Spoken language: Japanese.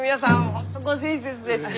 本当ご親切ですき。